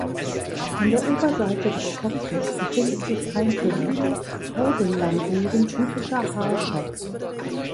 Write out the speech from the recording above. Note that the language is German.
An der Oberseite des Kopfes befindet sich ein für viele Haubenlanguren typischer Haarschopf.